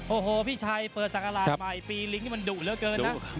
โอ้โหพี่ชัยเปิดศักราชใหม่ปีลิงนี่มันดุเหลือเกินนะ